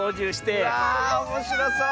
わあおもしろそう！